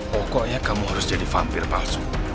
pokoknya kamu harus jadi vampir palsu